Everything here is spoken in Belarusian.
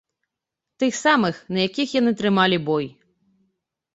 Тых самых, на якіх яны трымалі бой.